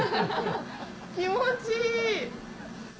気持ちいい！